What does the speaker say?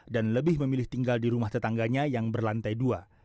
dan lebih memilih tinggal di rumah tetangganya yang berlantai dua